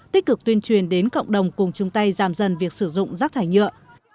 tích cực tuyên truyền đến cộng đồng cùng chung tay giảm dần việc sử dụng rác thải nhựa